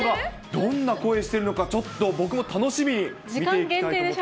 どんな声してるのか、ちょっと僕も楽しみに見ていきたいと思います。